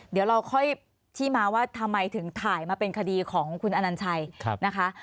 เดี๋ยวเราค่อยที่มาว่าทำไมถึงถ่ายมาเป็นคดีของคุณอนัญชัยนะคะ